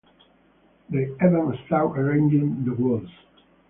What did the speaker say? They even start arranging the walls.